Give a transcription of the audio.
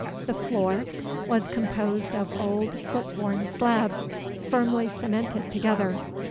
The floor was composed of old foot worn slabs, firmly cemented together.